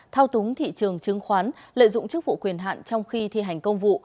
thao túng thị trường chứng khoán lợi dụng chức vụ quyền hạn trong khi thi hành công vụ